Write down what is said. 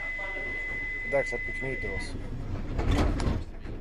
Det är dags att vi knyter oss.